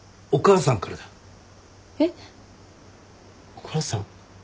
お母さん？